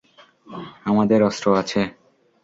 আমাদের অস্ত্র আছে।